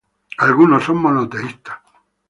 Algunos son monoteístas.